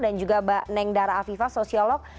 dan juga mbak nengdara afifah sosiolog